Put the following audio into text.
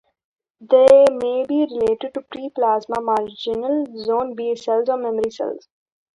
They may be related to pre-plasma marginal zone B cells or memory cells.